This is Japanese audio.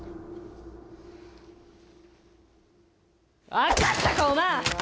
分かったか、お万！